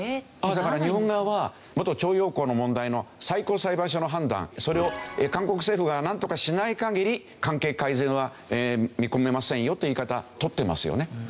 だから日本側は元徴用工の問題の最高裁判所の判断それを韓国政府がなんとかしない限り関係改善は見込めませんよという言い方をとってますよね。